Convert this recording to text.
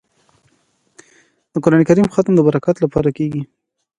د قران کریم ختم د برکت لپاره کیږي.